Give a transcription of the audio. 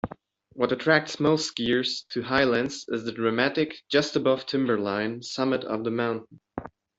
What attracts most skiers to Highlands is the dramatic, just-above-timberline summit of the mountain.